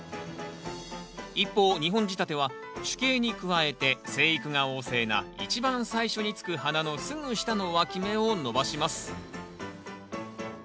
一方２本仕立ては主茎に加えて生育が旺盛な一番最初につく花のすぐ下のわき芽を伸ばします。